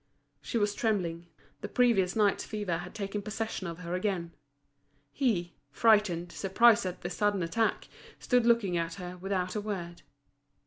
She was trembling, the previous night's fever had taken possession of her again. He, frightened, surprised at this sudden attack, stood looking at her, without a word.